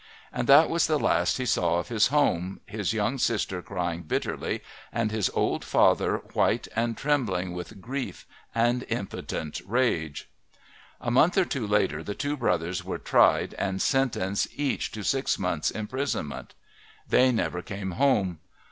And that was the last he saw of his home, his young sister crying bitterly and his old father white and trembling with grief and impotent rage. A month or two later the two brothers were tried and sentenced each to six months' imprisonment. They never came home.